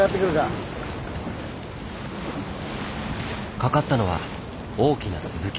かかったのは大きなスズキ。